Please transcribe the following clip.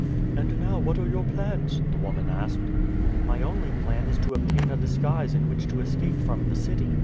"And now, what are your plans?" the woman asked. "My only plan is to obtain a disguise in which to escape from the city.